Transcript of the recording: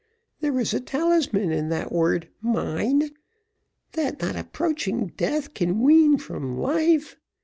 There is a talisman in that word mine, that not approaching death can wean from life.